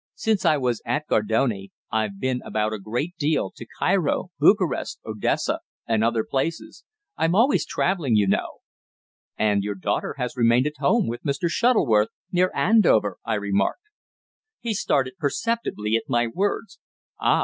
"Since I was at Gardone I've been about a great deal to Cairo, Bucharest, Odessa, and other places. I'm always travelling, you know." "And your daughter has remained at home with Mr. Shuttleworth, near Andover," I remarked. He started perceptibly at my words. "Ah!